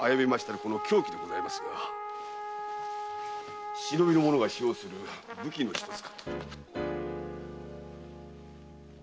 この凶器でございますが忍びの者が使用する武器の一つかと。